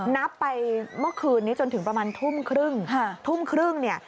นับไปเมื่อคืนนี้จนถึงประมาณทุ่มครึ่งทุ่มครึ่งเนี่ย